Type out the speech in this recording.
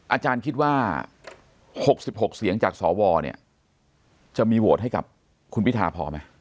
อาจารย์คิดว่า๖๖เสียงจากสวเนี่ยจะมีโหวตให้กับคุณพิธาพอไหม